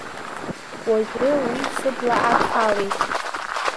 Уажәы уи сыбла адхалеит.